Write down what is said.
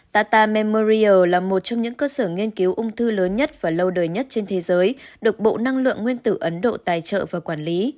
tata memoriel là một trong những cơ sở nghiên cứu ung thư lớn nhất và lâu đời nhất trên thế giới được bộ năng lượng nguyên tử ấn độ tài trợ và quản lý